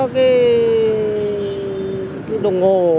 cái đồng hồ